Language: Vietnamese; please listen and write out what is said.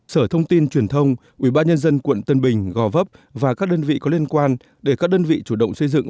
sở thông tin truyền thông ủy ban nhân dân tp hcm gò vấp và các đơn vị có liên quan để các đơn vị chủ động xây dựng